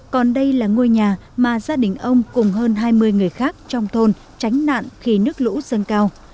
còn đây là ngôi nhà mà gia đình ông cùng hơn hai mươi người khác trong thôn tránh nạn khi nước lũ dâng cao